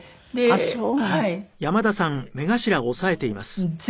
ああそう。